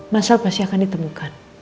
masal pasti akan ditemukan